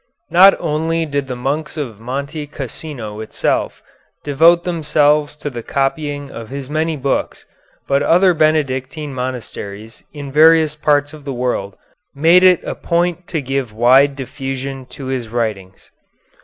Not only did the monks of Monte Cassino itself devote themselves to the copying of his many books, but other Benedictine monasteries in various parts of the world made it a point to give wide diffusion to his writings.